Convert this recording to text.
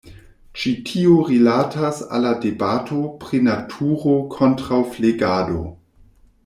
Ĉi tio rilatas al la debato pri naturo kontraŭ flegado.